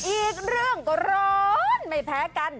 อีกเรื่องก็ร้อนไม่แพ้กัน